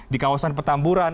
di kawasan petamburan